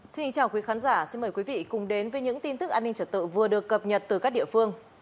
xin chào quý khán giả xin mời quý vị cùng đến với những tin tức an ninh trật tự vừa được cập nhật từ các địa phương